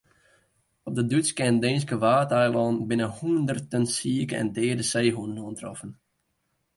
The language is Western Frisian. Op de Dútske en Deenske Waadeilannen binne hûnderten sike en deade seehûnen oantroffen.